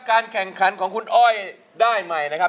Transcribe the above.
การแข่งขันของคุณอ้อยได้ใหม่นะครับ